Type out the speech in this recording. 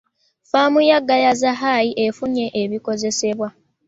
Ffaamu ya Gayaaza High efunye ebikozesebwa .